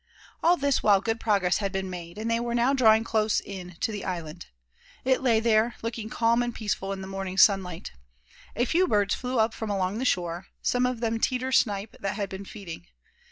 All this while good progress had been made, and they were now drawing close in to the island. It lay there, looking calm and peaceful in the morning sunlight. A few birds flew up from along the shore, some of them "teeter" snipe that had been feeding.